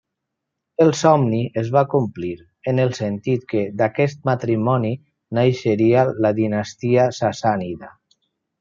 El somni es va complir en el sentit que d'aquest matrimoni naixeria la dinastia sassànida.